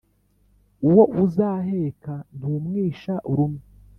uwo uzaheka ntumwisha urume!